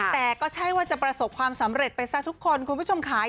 แต่ก็ใช่ว่าจะประสบความสำเร็จไปซะทุกคนคุณผู้ชมขาย